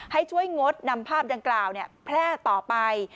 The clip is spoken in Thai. ให้ช่วยงดนำภาพดังกล่าวแพร่ต่อไป